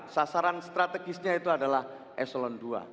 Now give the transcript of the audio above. sasaran strategisnya itu adalah eselon dua